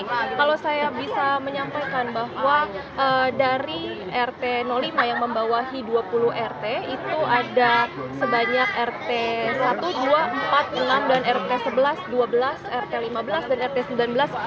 nah kalau saya bisa menyampaikan bahwa dari rt lima yang membawahi dua puluh rt itu ada sebanyak rt satu dua empat puluh enam dan rt sebelas dua belas rt lima belas dan rt sembilan belas